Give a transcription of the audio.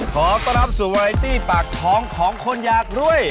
ขอต้อนรับสู่วาไรตี้ปากท้องของคนอยากรวย